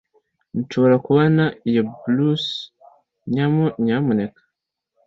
nshobora kubona iyo blouse, nyamuneka